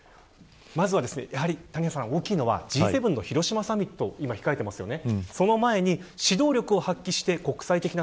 まず大きいのは、Ｇ７の広島サミットを控えてますよね。